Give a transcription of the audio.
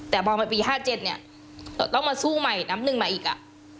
แต่บอกไปปีห้าเจ็ดเนี้ยเราต้องมาสู้ใหม่น้ำหนึ่งมาอีกอ่ะ